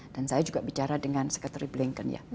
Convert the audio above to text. dan saya juga bicara dengan secretary blinken ya